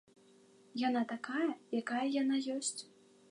Яна такая, якая яна ёсць.